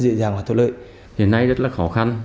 dễ dàng và thuận lợi hiện nay rất là khó khăn